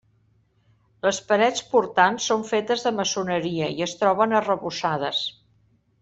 Les parets portants són fetes de maçoneria i es troben arrebossades.